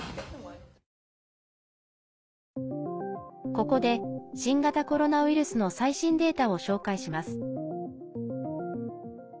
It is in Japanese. ここで新型コロナウイルスの最新データを紹介します。